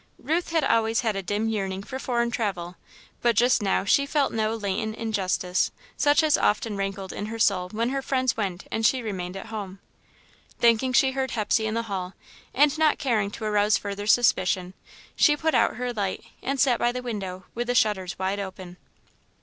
Ruth had always had a dim yearning for foreign travel, but just now she felt no latent injustice, such as had often rankled in her soul when her friends went and she remained at home. Thinking she heard Hepsey in the hall, and not caring to arouse further suspicion, she put out her light and sat by the window, with the shutters wide open.